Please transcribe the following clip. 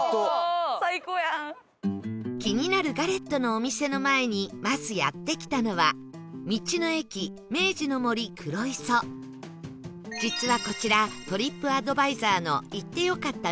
気になるガレットのお店の前にまずやって来たのは実はこちらトリップアドバイザーの行ってよかった！